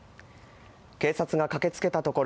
警察が駆けつけたところ